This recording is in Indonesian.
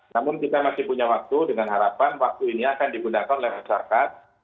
namun kita masih punya waktu dengan harapan waktu ini akan digunakan oleh masyarakat